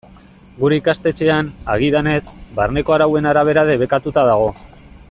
Gure ikastetxean, agidanez, barneko arauen arabera debekatuta dago.